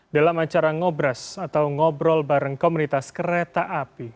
dalam acara ngobrol atau ngobrol bareng komunitas kereta api